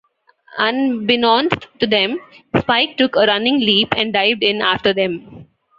Unbeknownst to them, Spike took a running leap and dived in after them.